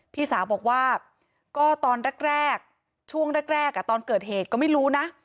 พี่สาวบอกว่าก็ตอนแรกช่วงแรกตอนเกิดเหตุก็ไม่รู้นะ